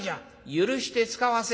許してつかわせ」。